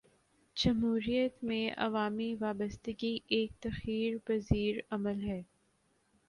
جمہوریت میں عوامی وابستگی ایک تغیر پذیر عمل ہے۔